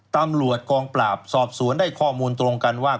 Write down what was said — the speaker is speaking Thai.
ตำรวจกองปราบสอบสวนได้ข้อมูลตรงกันว่า